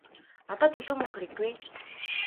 Надад илүү мөнгө хэрэггүй ээ.